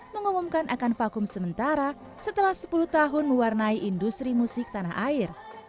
mengumumkan akan vakum sementara setelah sepuluh tahun mewarnai industri musik tanah air